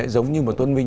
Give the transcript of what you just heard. giống như một tuân minh